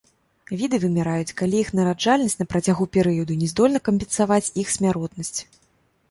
Віды выміраюць, калі іх нараджальнасць на працягу перыяду не здольна кампенсаваць іх смяротнасць.